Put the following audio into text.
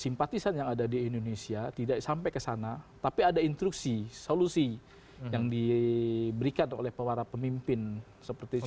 simpatisan yang ada di indonesia tidak sampai ke sana tapi ada instruksi solusi yang diberikan oleh para pemimpin seperti ini